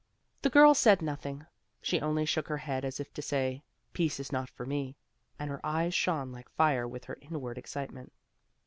The girl said nothing; she only shook her head as if to say: "Peace is not for me," and her eyes shone like fire with her inward excitement.